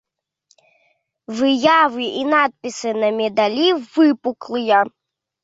Выявы і надпісы на медалі выпуклыя.